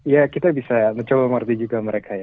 ya kita bisa mencoba mengerti juga mereka